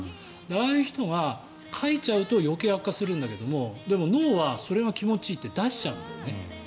ああいう人がかいちゃうと余計悪化するんだけれども脳はそれが気持ちいいって出しちゃうんだよね。